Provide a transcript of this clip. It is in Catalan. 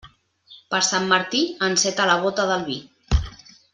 Per Sant Martí, enceta la bóta del vi.